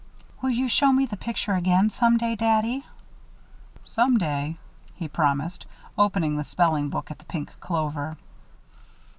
"Will you show me the picture again, some day, Daddy?" "Some day," he promised, opening the spelling book at the pink clover.